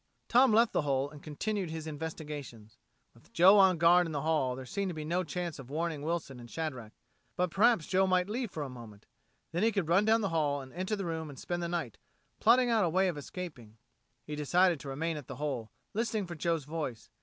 Tom left the hole, and continued his investigations. With Joe on guard in the hall, there seemed to be no chance of warning Wilson and Shadrack. But perhaps Joe might leave for a moment. Then he could run down the hall, enter their room and spend the night, plotting out a way of escaping. He decided to remain at the hole, listening for Joe's voice.